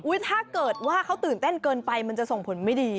ถ้าเกิดว่าเขาตื่นเต้นเกินไปมันจะส่งผลไม่ดี